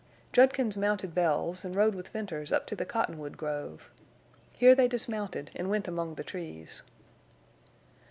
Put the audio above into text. Judkins mounted Bells and rode with Venters up to the cottonwood grove. Here they dismounted and went among the trees.